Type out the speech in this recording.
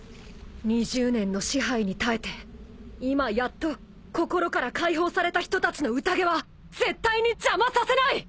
２０年の支配に耐えて今やっと心から解放された人たちの宴は絶対に邪魔させない！